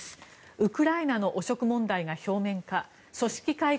ウクライナの汚職問題が表面化組織改革